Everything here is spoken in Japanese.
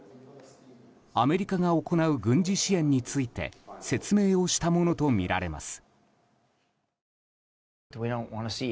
アメリカが行う軍事支援について説明をしたものとみられます。